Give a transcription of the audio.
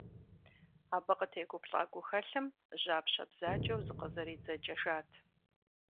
Абы къытегуплӏа гухэлъым жьапщэ бзаджэу зыкъызэридзэкӏыжат.